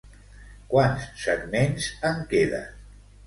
Quants segments en queden?